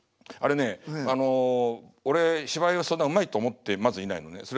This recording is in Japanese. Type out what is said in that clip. あれねあの俺芝居をそんなうまいと思ってまずいないのね。